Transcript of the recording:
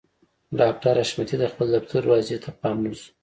ډاکټر حشمتي د خپل دفتر دروازې ته پام نه شو